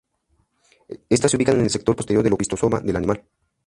Estas se ubican en el sector posterior del opistosoma del animal.